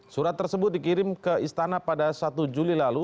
surat tersebut dikirim ke istana pada satu juli lalu